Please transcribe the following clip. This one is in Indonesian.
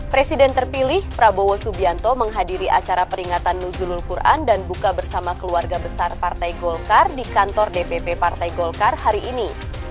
presiden terpilih prabowo subianto menghadiri acara peringatan nuzulul quran dan buka bersama keluarga besar partai golkar di kantor dpp partai golkar hari ini